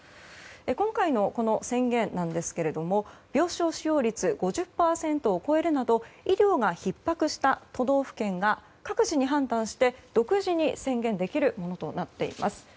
今回のこの宣言ですが病床使用率５０％を超えるなど医療がひっ迫した都道府県が各自に判断して、独自に宣言できるものとなっています。